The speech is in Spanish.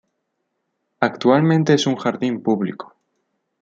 Actualmente es un jardín público.